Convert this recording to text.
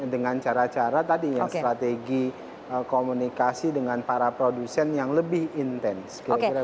dengan cara cara tadi yang strategi komunikasi dengan para produsen yang lebih intens